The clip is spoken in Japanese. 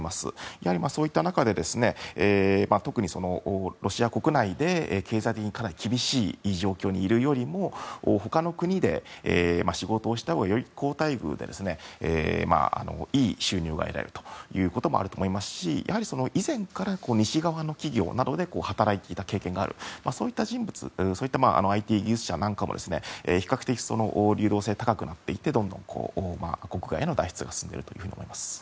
やはり、そういった中で特にロシア国内で経済的にかなり厳しい状況にいるよりも他の国で仕事をしたほうがより好待遇でいい収入が得られることもあると思いますし以前から西側の企業などで働いていた経験があるといった人物ＩＴ技術者なんかも比較的、流動性が高くなっていてどんどん国外への脱出が進んでいるといえます。